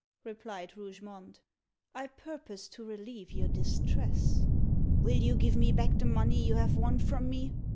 replied Rougemont. "I purpose to relieve your distress." "Will you give me back the money you have won from me?"